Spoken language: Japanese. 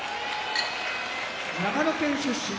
長野県出身